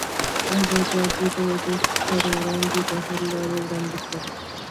ازادي راډیو د ورزش پر وړاندې د حل لارې وړاندې کړي.